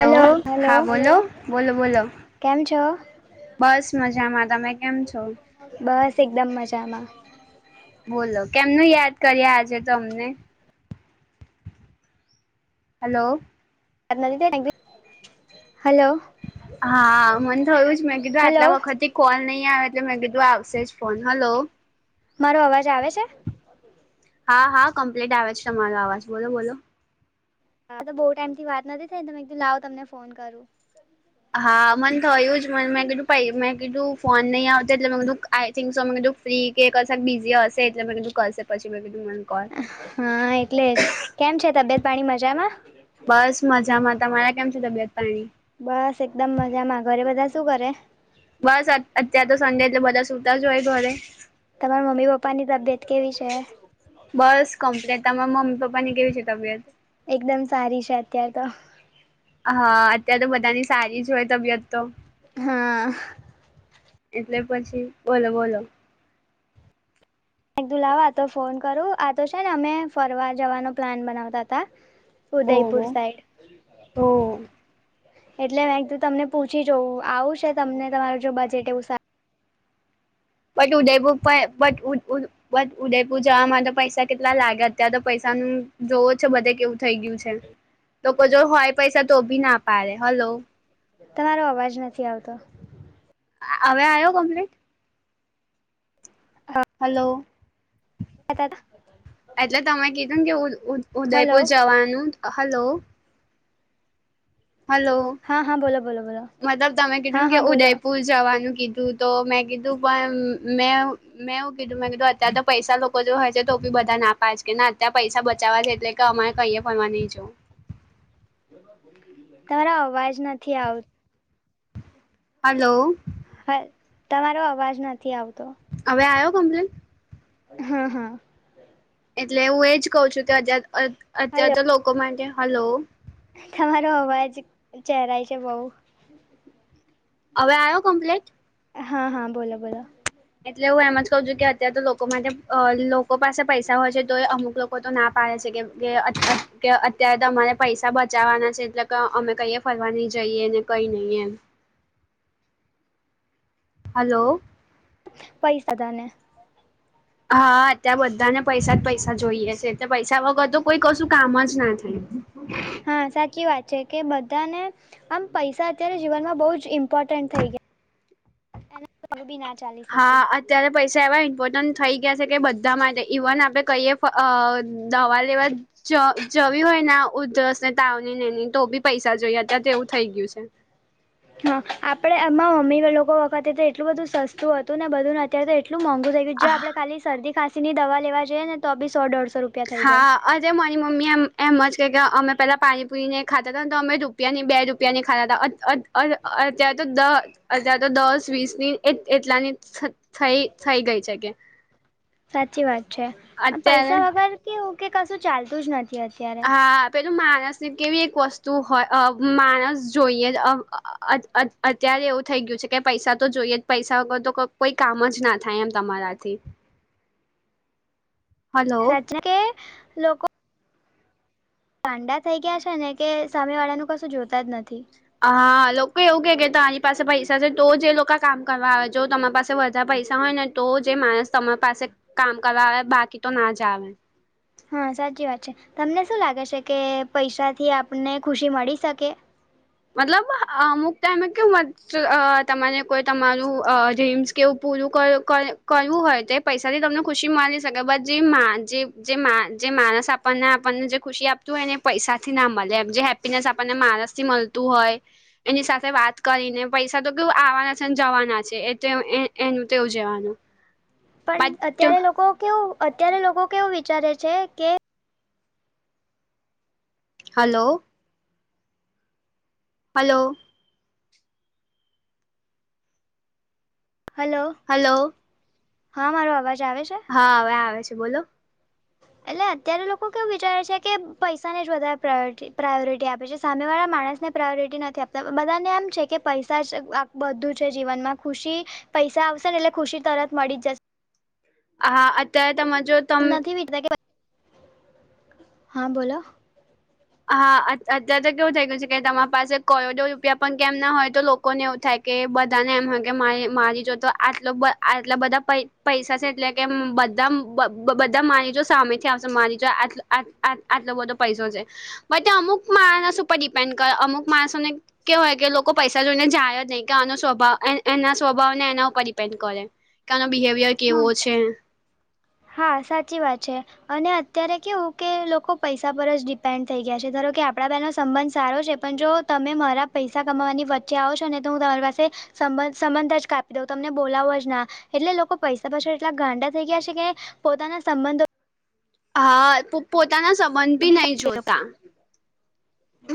Hello હા બોલો બોલો બોલો. કેમ છો બસ મજામાં તમે કેમ છો? બસ એકદમ મજામાં. બોલો કેમનું યાદ કરીએ આજે તમને. હલો. [unintelligible] હલો. હા મને થયું જ મેં કીધું હલો આટલા વખતે કોલ નહીં આવે એટલે મેં કીધું આવશે જ ફોન હલો. મારો અવાજ આવે છે? હા હા કમ્પ્લીટ આવે છે તમારો આવાજ બોલો બોલો. હા તો બહુ ટાઈમથી વાત નથી થઈ મે કીધું લાવ તમને ફોન કરું. હા મને થયું જ મને મેં કીધું ભ મેં કીધું ફોન નહી આવતા એટલે મેં કીધું આઈ થિંક સો મેં કીધું [unintelligible] કે કશેક બીઝી હશે એટલે મેં કીધું કરશે પછી મે કીધું મને કૉલ હા એટલે જ કેમ છે તબિયત પાણી મજામાં? બસ મજામાં તમારા કેમ છે તબિયત પાણી. બસ એકદમ મજામાં ઘરે બધા શું કરે? બસ અ અત્યાર તો સંડે એટલે બધા સુતા જ હોય ઘરે. તમારા મમ્મી પપ્પા ની તબિયત કેવી છે બસ કમ્પ્લીટ તમારે મમ્મી પપ્પા ની કેવી છે તબિયત એકદમ સારી છે અત્યારે તો હા અત્યારે તો બધાની સારી જ હોય તબિયત તો હા એટલે પછી બોલો બોલો એકદુ લવા આ તો ફોન કરું આ તો છે ને અમે ફરવા જવાનો પ્લાન બનાવતા હતા. ઉદયપુર ઓહો સાઈડ હો એટલે મેં કીધું તમને પૂછી જોઉં આવું સે તમને તમારું જો બજેટ એવું સા બટ ઉદયપ પણ બટ ઉદ ઉદ બસ ઉદયપુર જવા માટે પૈસા કેટલા લાગે અત્યારે તો પૈસાનું જોવો છે બધે કેવું થઇ ગયું છે લોકો જો હોય પૈસા તો ભી ના પાડે હલો તમારો અવાજ નથી આવતો [unintelligible] હવે આવ્યો કમ્પ્લીટ હલો એટલે તમે કીધુંને કે ઉદ ઉદ હલો ઉદયપુર જવાનું અ હલો હલો હા હા બોલો બોલો બોલો મતલબ તમે હા કીધું કે હા બોલો ઉદયપુર. જવાનું કીધું તો મેં કીધું પણ મે મેં એવું કીધું મેં કીધું અત્યારે તો પૈસા લોકો. હોય છે તો બી બધા ના પાજને અત્યારે પૈસા બચાવવા છે એટલે કે અમારે કઈએ ફરવા નહી જો. તાર અવાજ નથી આવતો. હલો. હા તમારો અવાજ નથી આવતો. હવે આવ્યો કમ્પ્લેન. હા હા. એટલે હું એજ કઉ છું કે અત અત્યાર હલો તો લોકો માટે હલો. તમારો અવાજ ચહેરાય છે બઉુ. હવે આવ્યો કમ્પ્લેટ. હા હા બોલો બોલો. એટલે હું એમ જ કહ છુ કે અત્ય્યારે તો લોકો માટે લોકો પાસે પૈસા હોય છે તો અમુક લોકો. તો ના પાડે છે કે અત્યારે તમારે પૈસા બચાવવાના છે એટ. અમે કઈએ ફરવા નહી જઈએ ને કઈ નહીિ એમ. હલો. પૈ સદાને. હા ત્યાં બધાને પૈસા જ પૈસા જોઈએ છે. પૈસા વગર તો કોઈ કશું કામ જ ના થાય. હા સાચી વાત છે કે બધાને આમ પૈસા અત્યારે જીવનમાં બહુ જ ઇમ્પોર્ટન્ટ થઈ ગયા. એ ક બી ના ચાલી શકે. અ્યારે પૈસા એવા ઇમ્પોર્ટન્ટ થઈ ગયા છે કે બધા માટે ઇવન આપણે કહીએ. દવા લેવા જવી હોય ને. ઉધરસ ને તાવની ને તો બી પૈસા જોઈ અત્યારે તો એવું થઇ ગયું છે. હા આપડે આમાં મમ્મી લોકો વખતે તો એટલું બધું સતું હતું ને બધુંને અત્યારે તો એટલું મોંઘું થઈું. બ જો આપડણેાલી શદી ખાં ની દવા લેવાઈએ તો બીોઢસો રૂપ. છે હા. અજે મરી મમ્મી એમ એમ જ કહે કે અમે પેલા પાણી પુરી નહીં ખાતા હતાને તો અમે રૂપિયાનીં બે રૂપ. ની ખા હતા અત્યારે તો દ અત્યારે તો દસ વીસ ની. એટલાની થઈ થઈ ગઈ છે કે. સાચી વાત છે અત્યારે પૈસા વગર કેવું કે કશું ચાલતું જ નથી. અત્યારે હા. પેલું માણસ ની કેવી એક વસ્તુ હોય માણસ જોઈએ. અત્યારે એવું થઈ ગયું છે કે પૈસા તો જોઈએ જ પૈસા વગર તો કોઈ કામ જ ના થાય એમ તમારાથી. હલો સાચ કે લોકો. કાંડા થઈ ગયા છે ને કે સામે વાળાનું કશું જોતા જ નથી. હા લોકો એવું કે કે તારી પાસે પૈસા છે તો જ લોકો કામ કરવા આવે જો તમારી પાસે. બા પૈસા હોય ને તો જે માણસ તમારી પાસે કામ કરવા આવે બાકી તો ના જ આવે હા સાચી વાત છે તમને શું લાગે છે કે પૈસાથી આપણને ખુશી મળી શકે મતલબ અમુક ટાયમૅ કેવુ કે તમારે કોઈ તમારું ડ્રીમ્સ કેવું પૂરું કરવું હોય તે. પૈસા થી તમને ખુશી મળી શકે જે જે જે માણસ આપણને આપણને જે ખુશી આપ. તું એને પૈસાથી ના મળેમ જે હેપ્પીનેસ આપણને માણસ થી મળતું હોય. એની સાથે વાત કરીને પૈસા તો કેવું આવવાના છે ને જવાના છે એ એનું તેવું જવાનું. પણ બટ અત્યારે લોકો કેવું અત્યારે લોકો કેવું વિચારે છે કે. હલો. હલો. હલો. હલો. હા મારો અવાજ આવે છે. હા એ આવે છે બોલો. એટલે અત્યારે લોકો કેવું વિચારે છે કે પૈસાને જ વધારે પ્રાયોરટી પ્રાયોરિટી આપે છે સામેવાળા માણસને. પ્રાયોરિટી નથી આપતા બધાને એમ છે કે પૈસા જ આ બધું છે જીવનમાં ખુશી પૈસા આવશે ને એટલે ખુશી તરત મળી જશે હા તમારે જો નથી વિટતા કે હા બોલો હા અત્યારે તો કેવું થઈ ગયું છે કે તમારા પાસે કરોડો રૂપિયા પણ કેમ ના હોય તો લોકોને એવું થાય કે બધા ને એમ હોય કે મારી મારી જોડે તો આટ આટલા બધા પૈસા છે એટલે કેમ બધા બધા માની જોડે તો સામેથી આવશે મારી જોડે આ આટલો બધો પૈસો છે બધુ અમુક માણસ ઉપર ડિપેન્ડ કરે અમુક માણસોને કે હોય કે લોકો પૈસા જોઈને જાય જ નહીં કે આનો સ્વભાવ એના સ્વભાવ ને એના ઉપર ડિપેન્ડ કરે કે આનો બિહેવિયર હા કેવો છે હા સાચી વાત છે અને અત્યારે કેવું કે લોકો પૈસા પર જ ડિપેન્ડ થઈ ગયા છે ધારો કે આપડા બેનો સંબંધ સારો છે પણ જો તમે મારા પૈસા કમાવાની વચ્ચે આવ છો ને તો હું તમારી પાસે સંબંધ સંબંધ જ કાપી દઉં તમને બોલાવો જ ના એટલે લોકો પૈસા પાછળ એટલા ગાંડા થઈ ગયા છે કે પોતાના સંબંધો હા પો પોતાના સંબંધ બી બધી નહીં સાચી વાત જોતા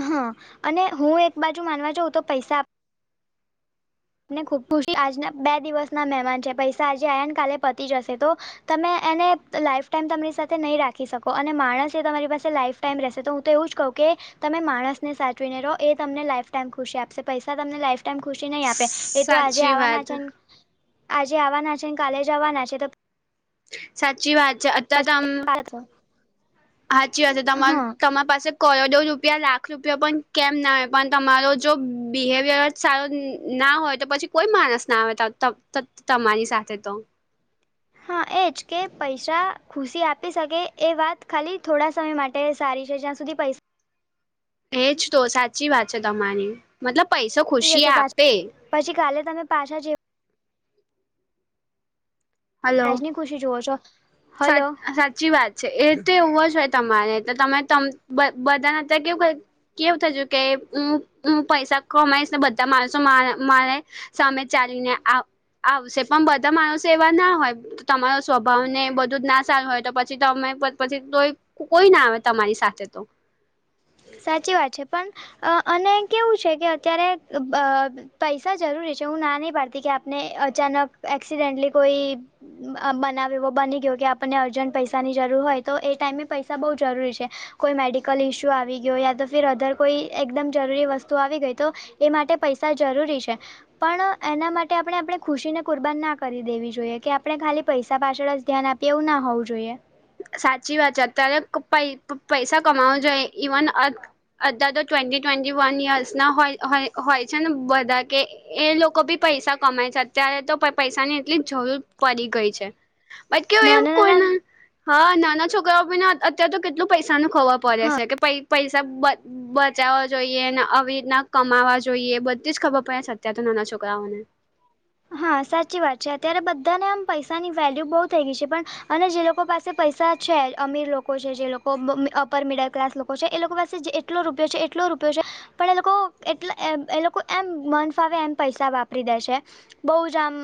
હા અને હું એક બાજુ માનવા જાઉ તો પૈસા આપ મને ખુબ ખુશી આજના બે દિવસ ના મહેમાન છે પૈસા આજે આયાને કાલે પતી જશે તો તમે એને લાઈફ ટાઈમ તમારી સાથે નહી રાખી શકો અને માણસ એ તમારી પાસે લાઈફ ટાઈમ રહેશે તો હું તો એવું જ કહું કે તમે માણસને સાચવીને રહો એ તમને લાઈફ ટાઈમ ખુશી આપશે પૈસા તમને લાઈફ ટાઈમ ખુશી નહીં આપે એ તો આજે સાચી આવવાના વાત છે આજે આવવાના છે ને કાલેજ આવવાના છે તો સાચી વાત છે પછી સાાચી વાત છે તમા હા તમારી પાસે. કરોડો રૂપિયા લાખ રૂપિયા પણ કેમ ના આવે પણ તમારો જો બિહેવિયર જ. સારું ના હોય તો પછી કોઈ માણસ ના આવે તમારી સાથે તો હા એ જ કે પૈસા ખુશી આપી શકે એ વાત ખાલી થોડા સમય માટે તે સારી છે જ્યાં સુધી પૈસા એજ તો સાચી વાત છે તમારી મતલબ પૈસા ખુશી જશે પાછા આપે પછી કાલે તમે પાછા જે. આજ ની ખુશી જુઓ છો. હલો સાચ સાચી વાત. એ તો એવું જ હોય તમારે તો તમે બધાને તં કેવું ક. કેવું થયું કે હ હું પૈસા કમાઈશ ને બધા માણસો મારે મારે. સામે ચાલીને આવ. આવશે પણ બધા માણસો એવા ના હોય તમારો સ્વભાવને બધુ. દૂધ ના સારું હોય તો પછી તમે પછી તોય કોઈ ના આવે તમારી સાથે તો. સાચી વાત છે પણ અને કેવું છે કે અત્યારે. પૈસા જરૂરી છે હું ના નહી પાડતી કે આપને અચાનક એક્સિડેન્ટલી કોઈ. બનાવ એવો બની ગયો કે આપણને અર્જન્ટ પૈસાની જરૂર હોય તો એ ટાઈમે પૈસા બહુ જરૂરી છે. કોઈ મેડિકલ ઇશ્યુ આવી ગ. ગયો યા તો ફિર અધર કોઈ એકદમ જરૂરી વસ્તુ આવી ગઈ તો એ માટે પૈસા જરૂરી છે. પણ એના માટે આપણે આપણે ખુશી ને કુરબાન ના કરી દેવી જોઈએ કે આપણે ખાલી પૈસા પાછળ જ ધ્યાન આપી. તેવું ના હોવું જોઈએ. સાચી વાત છે અત્યારે પૈસા કમાવું જોઈએ ઇવન. અા તો ટ્વેન્ટી ટ્વેન્ટી વન યર્સ ના હોય હોય છે ને બધા કે. એ લોકો બી પૈસા કમાય છે અત્યારે તો પૈસા ની એટલી જરૂર પડી ગઈ છે. મત કે. ના ના ના ના. હા નાના છોકરાઓને અત્ય્યારે તો કેટલું પૈસા ન ખવાર પડે છે કે પ પૈસા. બચાવવા જોઈએ ને આવી રીતના કમાવવા જોઈએ બધી જ ખબર પડે અત્યાર તો નાના છોકરાઓને. હા સાચી વાત છે અત્યારે બધાને આમ પૈસા ની વેલ્યુ બહુ થઈ ગઈ છે પણ. અને જે લોકો પાસે પૈસા છે અમીર લોકો છે જે લોકો અપર મિડલ ક્લાસ લોકો છે એ લોકો પાસે જે. ટ રૂપયો એટલો રૂ. છે પણ એ લોકો એટ એ લોકો એમ મન ફાવે એમ પૈસા વાપરી દે છે. બહુ જ આમ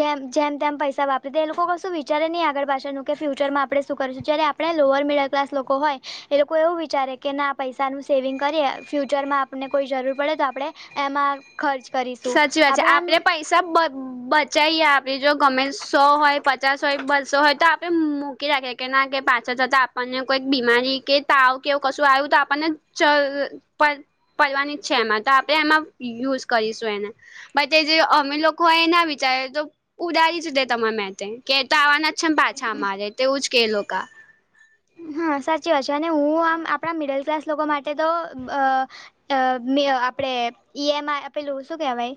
જેમ જેમ તેમ પૈસા વાપરે એ લોકો કશું વિચારે નહી આગળ પાછાનું. કે ફ્યુચરમાં આપણે શું કરીશું જયારે આપણે લોઅર મિડલ ક્લાસ લોકો હોય એ લોકો એવું વિચારે કે ના આ પૈસાનું. સેવિંગ કરીએ ફ્યુચરમાં આપણને કોઈ જરૂર પડે તો આપણે. એમાં ખર્ચ કરીશું આપણે એમ. સબ બ. બચીએ આપે જો ગમે સો હોય પચાસ હોય બસો હોય તો આપડે મૂકી રાખીએ. કે ના કે પાછા જતાં આપણને કોઈક બીમારી કે. તાવ કેવું કશું આવ્યું તો આપણનેવાની જ છે એમાં તો આપણે એમાં. યુઝ કરીશું એને. બ તે જે અમે લોકોય એ ના વિચાર તો ઉદારીશું તે તમારા માટે. કે તો આવવાના છેમ પાછા અમારે તોવુંજ કે લોકો ક. હા સાચી વાત છે અને હું આમ આપણા મિડલ ક્લાસ લોકો માટે તો. અ મે આપડે ઈએમ આઈ આપેલું શું કેવાય.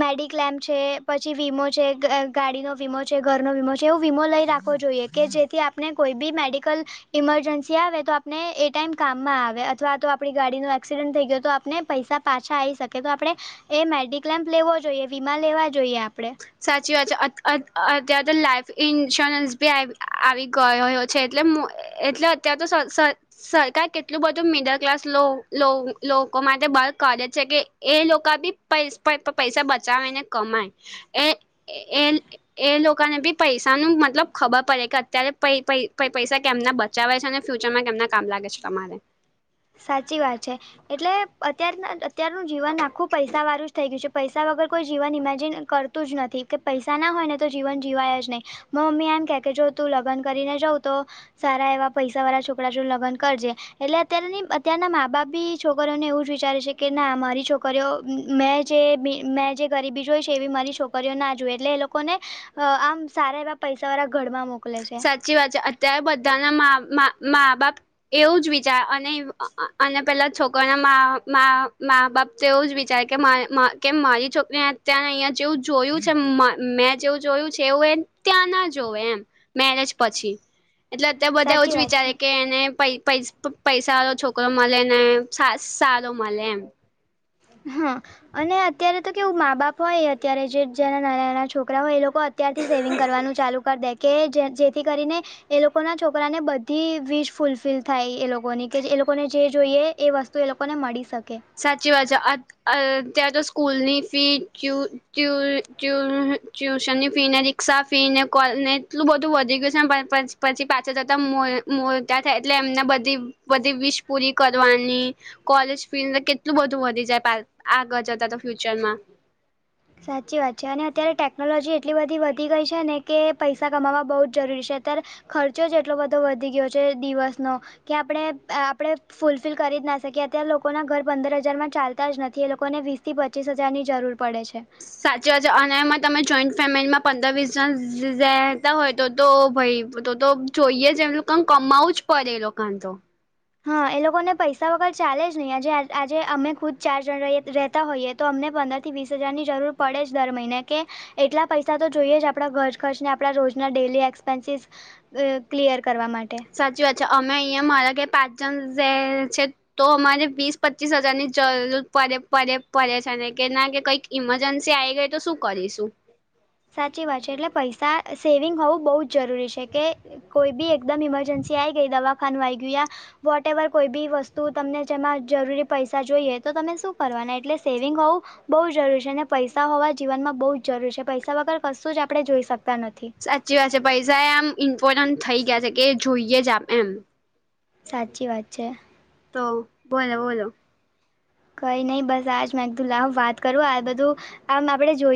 મેડિક્લેમ છે પછી વીમો છે ગાડીનો વીમો છે ઘરનો વીમો છે એવો વીમો લઈ રાખવો જોઈએ. કે જેથી આપને કોઈ બી મેડિકલ. ઈમરજન્સી આવે તો આપને એ ટાઈમ કામમાં આવે અથવા તો આપણી ગાડીનો એક્સિડન્ટ થઈ ગયો તો આપને. પૈસા પાછા આવી શકે તો આપણે એ મેડિકલેમ્પ લેવો જોઈએ વીમા લેવા જોઈએ આપણે. સાચી વાત છે અત્યારે તો લાઈફ ઇન્સ્યોરન્સ બી આવી ગયોયો છે એટલે. એટલે અત્યાર તો. સરકાર કેટલું બધું મિડલ ક્લાસ લો લો લો લોકો માટે [unintelligible] કરે છે કે એ લોકો બી પ પૈસા બચાવે ને કમાય એ એ. એ લોકોને બી પૈસા ન મતલબ ખબર પડે કે અત્યારે પૈસા કેમના બ. જવાય છે અને ફ્યુચરમાં કેમના કામ લાગે છે તમારે. સાચી વાત છે. એટલે અત્યાર અત્યારનું જીવન આખું પૈસા વાળું જ થઈ ગયું છે પૈસા વગર કોઈ જીવન ઇમેજિન કર તું જ નથી કે પૈસા ના હોય ને તો જીવન જીવાય જ નહીં. મા મમ્મી એમ કે કે જો તું ત લગન કરીને જઉં તો સારા એવા પૈસા વાળા છોકરા છો લગ્ન કરજે એટલે અતયારની અત્યારના મા બાપ બી છોકરીઓને એવું જ વિચારે છે કે ના મારી છોકરીઓ મેં જ મેં જે ગરીબી જોઈ છે એવી મારી છોકરીઓ ના જોવે એટલે એ લોકોને આમ સારા એવા પૈસા વાળા ઘર માં મોકલે છે. સાચી વાત છે અત્યારે બધાના માં મા મા બાપ એવું જ વિચાર અને અને પેલા છોકરાના મા મા માં બાપ તેવું જ વિચારે કે કે મારી છોકરી અત્યારે અહિયાંયા જેવું જોયું છે મેં જેવું જોયું છે એવું એમ ત્યાં ના જોવું એમ મેરેજ પછી એટલે અત્યા બધા એવું જ સાચી વાત વિચારે છે કે એને પ પૈ પૈસા વાળો છોકરો મલે ને સારો મલે એમ હા અને અત્યારે તો કેવું મા બાપ હોય અત્યારે જેના નાના નાના છોકરા હોય એ લોકો અત્યારથી સેવિંગ કરવાનું ચાલુ કરી દે કે જે જેથી કરીને એ લોકોના છોકરાને બધી વીશ ફૂલફિલ થાય એ લોકોની કે જે એ લોકોને જે જોઈએ એ વસ્તુ એ લોકોને મળી શકે. સાચી વાત છે અ અત્યાં તો સ્કૂલની ફી ટ્યુ ટ્યુ ટ્યૂ ટ્યુશનની ફી ને રિક્ષા ફી ને કોને એટલું બધું વધી ગયું છે ને પછી પછી પાછા જતાં મોટા થાય એટલે એમને બધી બધી વિશ પૂરી કરવાની. કોલેજ ફી કેટલું બધું વધી જાય આગળ જતા તો ફ્યુચરમાં સાચી વાત છે અને અત્યારે ટેકનોલોજી એટલી બધી વધી ગઈ છે ને કે પૈસા કમાવવા બહુ જ જરૂરી છે અત્યારે ખર્ચો જ એટલો બધો વધી ગયો છે દિવસનો. કે આપણે આપણે ફૂલફિલ કરી જ ના શકીએ અત્યારે લોકોના ઘર પંદર હજાર માં ચાલતા જ નથી એ લોકોને વીસ થી પચીસ હજાર ની જરૂર પડે છે. સાચી વાત છે અને એમાં તમે જોઈન્ટ ફેમિલીમાં પંદર વીસ જણ [unintelligible] હોય તો તો ભાઈ તો તો જોઈએ જમ લોકોને કમાવું જ પડે એ લોકોને તો હા એ લોકોને પૈસા વગર ચાલે જ નહીં આજે આજે અમે ખુદ ચાર જણ રહેતા હોઈએ તો અમને પંદરથી વીસ હજારની જરૂર પડે જ દર મહિને કે એટલા પૈસા તો જોઈએ જ આપણા ઘર ખર્ચને આપણા રોજના ડેલી એક્સપેન્સીિસ ક્લિયર કરવા માટે. સાચી વાત છે અમે અહીં મારા કે પાંચ જણ જે છે તો અમારે વીસ પચીસ હજાર ની જરૂર પડે પડે પડે છે ને કે ના કે કઈક ઇમરજન્સી આવી ગઈ તો શું કરીશું સાચી વાત છે એટલે પૈસા સેવિંગ હોવું બહુ જ જરૂરી છે કે કોઈ બી એકદમ ઇમરજન્સી આઈ ગય દવાખાનું આ આવી ગયું યા વોટ એવર કોઈ બી વસ્તુ તમને જેમાં જરૂરી પૈસા જોઈએ તો તમે શું કરવાના એટલે સેવિંગ હોવું બહુ જરૂરી છે અને પૈસા હોવા જીવનમાં બહુ જ જરૂરી છે પૈસા વગર કશું જ આપણે જોઈ શકતા નથી. સાચી વાત છે પૈસા આમ ઇમ્પોર્ટન્ટ થઈ ગયા છે કે જોઈએ જ આપ એમ સાચી વાત છે. તો બોલો બોલો કઈ નહી બસ આજ મેં કીધું લાવ વાત કરું આ બધું આમ આપડે જોયું